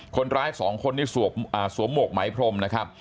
คนร้าย๒คนนี่สวมบวกไหมพรค์